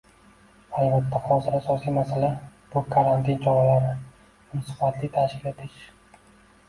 Albatta, hozir asosiy masala - bu karantin choralari, uni sifatli tashkil etish